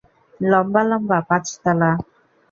লম্বা লম্বা পাঁচ তলা।